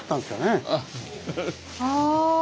ああ。